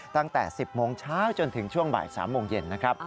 ตั้งแต่๑๐โมงเช้าจนถึงช่วงบ่าย๓โมงเย็นนะครับ